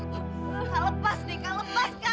kak lepas dika lepas kak